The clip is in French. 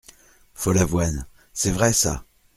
Follavoine C’est vrai ça !…